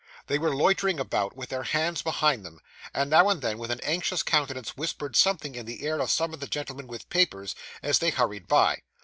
They were loitering about, with their hands behind them, and now and then with an anxious countenance whispered something in the ear of some of the gentlemen with papers, as they hurried by.